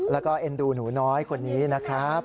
แล้วก็เอ็นดูหนูน้อยคนนี้นะครับ